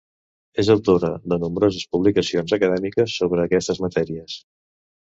És autora de nombroses publicacions acadèmiques sobre aquestes matèries.